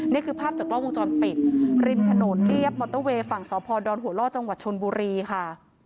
เนี้ยคือภาพกล้องมุมจรปิดริมถนนเรียบบอตเตอร์เวย์ฝั่งสอพรดรหัวโล่จังหวัดชนบุรีค่ะ